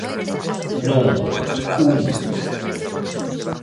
Non, un.